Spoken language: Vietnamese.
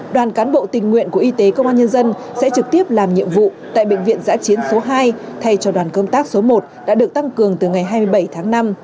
đoàn cán bộ tình nguyện của y tế công an nhân dân sẽ trực tiếp làm nhiệm vụ tại bệnh viện giã chiến số hai thay cho đoàn công tác số một đã được tăng cường từ ngày hai mươi bảy tháng năm